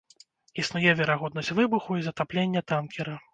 Існуе верагоднасць выбуху і затаплення танкера.